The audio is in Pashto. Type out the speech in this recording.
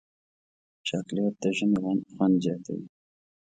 چاکلېټ د ژمي خوند زیاتوي.